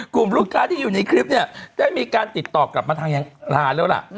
กลุ่มลูกค้าที่อยู่ในคลิปเนี่ยได้มีการติดต่อกลับมาทางยังร้านแล้วล่ะ